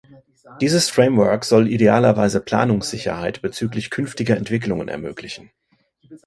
Dieses Framework soll idealerweise Planungssicherheit bezüglich künftiger Entwicklungen ermöglichen.